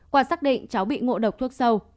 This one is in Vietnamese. quả xác định cháu bị ngộ độc thuốc sâu